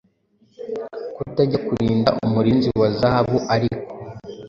Kutajya kurinda umurinzi wa zahabu ariko